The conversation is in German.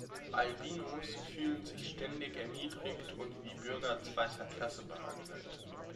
Albinos fühlen sich ständig erniedrigt und wie Bürger zweiter Klasse behandelt.